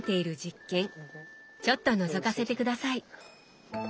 ちょっとのぞかせて下さい！